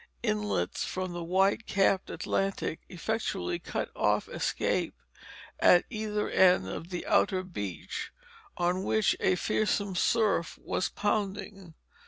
Inlets from the white capped Atlantic effectually cut off escape at either end of the outer beach on which a fearsome surf was pounding.